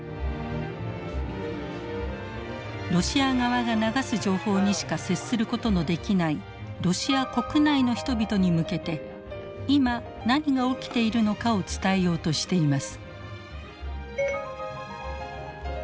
ロシア側が流す情報にしか接することのできないロシア国内の人々に向けて今何が起きているのかを伝えようとしています。